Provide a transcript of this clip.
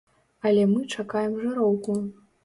Але мы чакаем жыроўку!